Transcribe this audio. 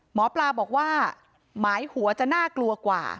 หมอปลาบอกว่าหมายหัวจะน่ากลัวกว่า